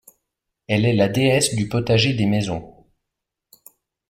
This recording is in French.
Elle est la déesse du potager des maisons.